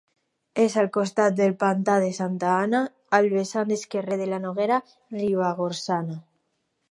És al costat del pantà de Santa Anna, al vessant esquerre de la Noguera Ribagorçana.